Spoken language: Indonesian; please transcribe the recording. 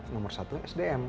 nomor satu sdm